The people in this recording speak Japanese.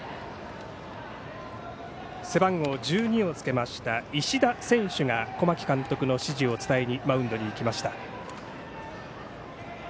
背番号１２をつけました石田選手が小牧監督の指示を伝えにマウンドに行きました。